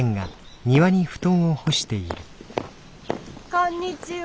こんにちは。